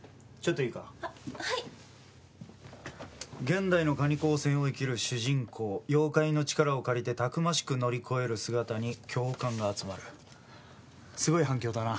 「現代の蟹工船を生きる主人公」「妖怪の力を借りてたくましく乗り越える姿に共感が集まる」すごい反響だな。